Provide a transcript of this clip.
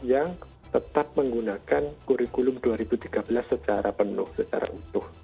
yang tetap menggunakan kurikulum dua ribu tiga belas secara penuh secara utuh